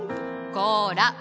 こら！